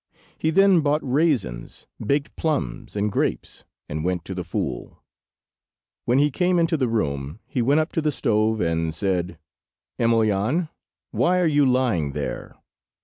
He then bought raisins, baked plums, and grapes, and went to the fool. When he came into the room, he went up to the stove, and said— "Emelyan, why are you lying there?"